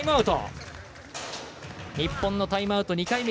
日本のタイムアウト２回目。